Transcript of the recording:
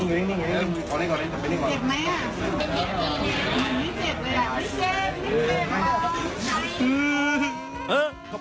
เออขอบคุณครับ